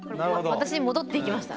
私に戻ってきました。